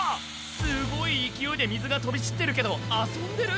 すごい勢いで水が飛び散ってるけど遊んでる？